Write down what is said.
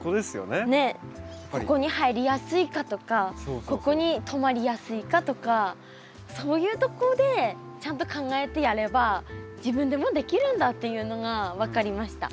ねっここに入りやすいかとかここにとまりやすいかとかそういうとこでちゃんと考えてやれば自分でもできるんだっていうのが分かりました。